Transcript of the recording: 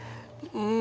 うん。